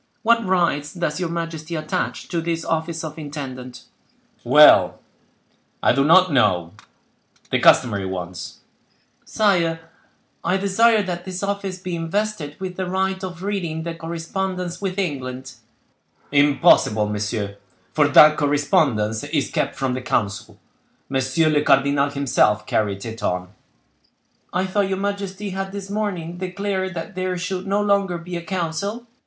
What rights does your majesty attach to this office of intendant?" "Well—I do not know—the customary ones." "Sire, I desire that this office be invested with the right of reading the correspondence with England." "Impossible, monsieur, for that correspondence is kept from the council; monsieur le cardinal himself carried it on." "I thought your majesty had this morning declared that there should no longer be a council?"